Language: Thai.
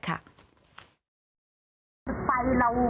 ไฟเราใช้แค่นี้